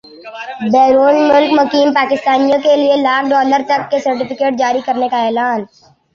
بیرون ملک مقیم پاکستانیوں کیلئے لاکھ ڈالر تک کے سرٹفکیٹ جاری کرنے کا اعلان